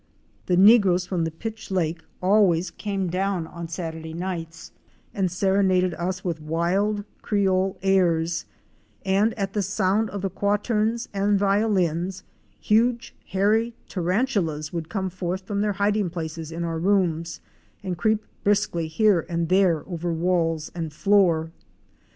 The negroes from the Pitch Lake always came down on Saturday nights and serenaded us with wild Creole airs, and at the sound of the quaterns and violins huge hairy tarantulas would come forth from their hiding places in our rooms and creep briskly here and there over walls and floor.